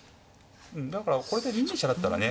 だからこれで２二飛車だったらね